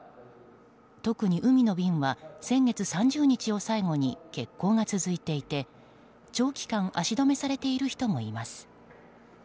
特に海の便は先月３０日を最後に欠航が続いていて長期間足止めされている人もいます。